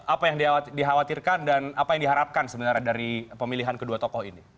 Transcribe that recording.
apa yang dikhawatirkan dan apa yang diharapkan sebenarnya dari pemilihan kedua tokoh ini